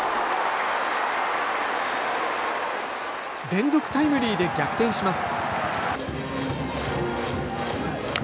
連続タイムリーで逆転します。